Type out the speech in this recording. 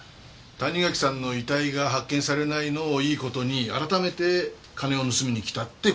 谷垣さんの遺体が発見されないのをいい事に改めて金を盗みに来たって事ですか？